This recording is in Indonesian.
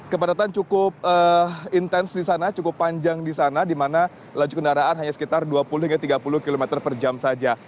kepadatan cukup intens di sana cukup panjang di sana di mana laju kendaraan hanya sekitar dua puluh hingga tiga puluh km per jam saja